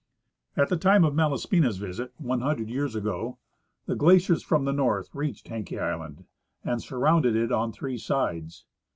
At the time of Malaspina's visit, 100 years ago, the glaciers from the north reached Haenke island, and surrounded it on three sides.